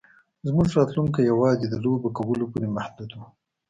زموږ راتلونکی یوازې د لوبو کولو پورې محدود و